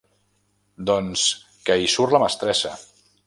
Doncs que hi surt la mestressa.